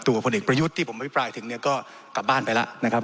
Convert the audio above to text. ผลเอกประยุทธ์ที่ผมอภิปรายถึงเนี่ยก็กลับบ้านไปแล้วนะครับ